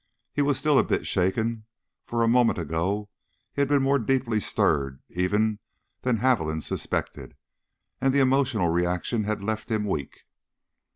He was still a bit shaken, for a moment ago he had been more deeply stirred even than Haviland suspected, and the emotional reaction had left him weak.